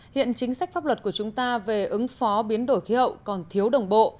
hiện chính sách pháp luật của chúng ta về ứng phó biến đổi khí hậu còn thiếu đồng bộ